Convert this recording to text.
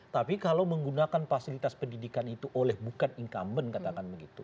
tapi kalau menggunakan fasilitas pendidikan itu oleh bukan incumbent katakan begitu